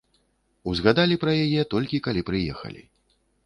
Узгадалі пра яе, толькі калі прыехалі.